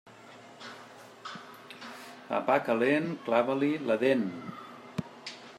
A pa calent, clava-li la dent.